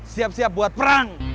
siap siap buat perang